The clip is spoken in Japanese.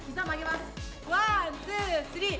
ワンツースリー！